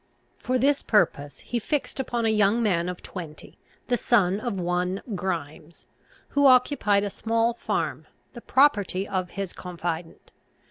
For this purpose he fixed upon a young man of twenty, the son of one Grimes, who occupied a small farm, the property of his confident.